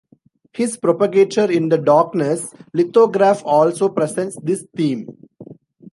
His "Propagator in the Darkness" lithograph also presents this theme.